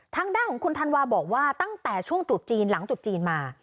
ทางด้านของคุณธันวาบอกว่าตั้งแต่ช่วงตรุษจีนหลังตุดจีนมา